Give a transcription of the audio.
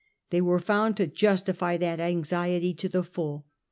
They were found to justify that WiIlof anxiety to the full.